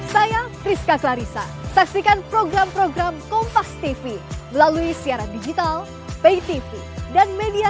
saya priska clarissa saksikan program program kompas tv melalui siaran digital pay tv dan media